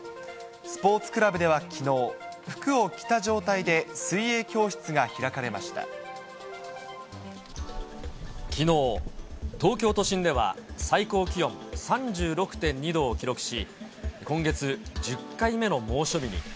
スポーツクラブではきのう、服を着た状態で水泳教室が開かれきのう、東京都心では最高気温３６．２度を記録し、今月、１０回目の猛暑日に。